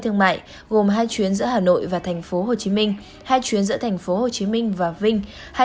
thương mại gồm hai chuyến giữa hà nội và tp hcm hai chuyến giữa tp hcm và vinh